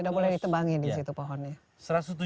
sudah boleh ditebangin di situ pohonnya